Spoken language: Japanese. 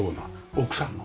奥さんの？